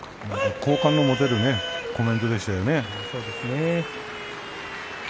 好感の持てるコメントでしたね。